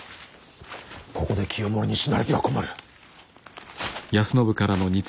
ここで清盛に死なれては困る。